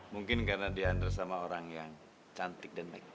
mungkin karena diandalkan sama orang yang cantik dan megang